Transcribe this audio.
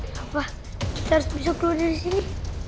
kita harus bisa keluar dari sini